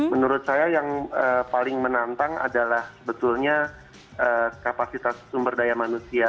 menurut saya yang paling menantang adalah sebetulnya kapasitas sumber daya manusia